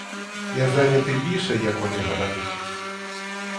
Я зайнятий більше, як вони гадають.